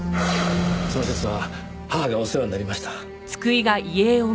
その節は母がお世話になりました。